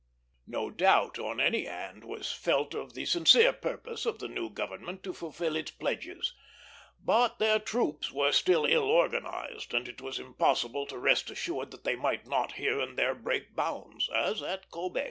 No doubt on any hand was felt of the sincere purpose of the new government to fulfil its pledges; but their troops were still ill organized, and it was impossible to rest assured that they might not here and there break bounds, as at Kobé.